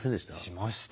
しました。